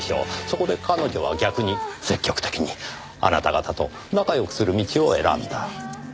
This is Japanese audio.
そこで彼女は逆に積極的にあなた方と仲良くする道を選んだ。